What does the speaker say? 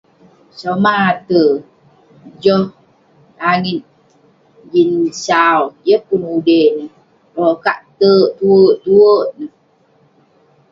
Somah ate, joh langit jin sau, yeng pun ude neh..belokak terk tuwerk neh..